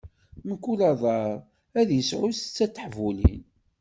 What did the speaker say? Mkul adar ad isɛu setta n teḥbulin.